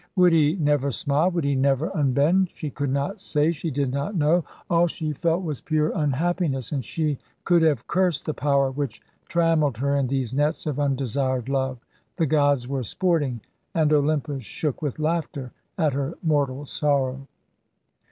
Would he never smile? Would he never unbend? She could not say; she did not know. All she felt was pure unhappiness, and she could have cursed the power which trammelled her in these nets of undesired love. The gods were sporting, and Olympus shook with laughter at her mortal sorrow.